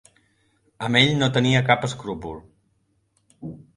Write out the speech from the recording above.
Amb ell no tenia cap escrúpol.